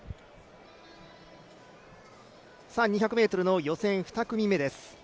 ２００ｍの予選２組目です。